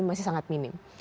masih sangat minim